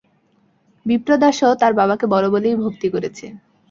বিপ্রদাসও তার বাবাকে বড়ো বলেই ভক্তি করেছে।